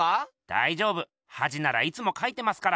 だいじょうぶはじならいつもかいてますから。